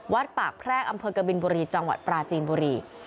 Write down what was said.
วัดปากแพรกอำเภอกบินบุรีจังหวัดปราจีนบุรี